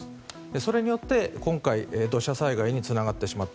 それによって、今回の土砂災害につながってしまった。